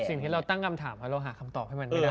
สิ่งที่เราตั้งคำถามแล้วเราหาคำตอบให้มันไม่ได้